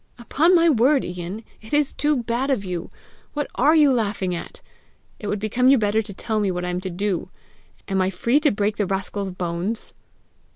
"Upon my word, Ian, it is too bad of you! What ARE you laughing at? It would become you better to tell me what I am to do! Am I free to break the rascal's bones?"